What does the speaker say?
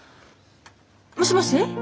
もしもし？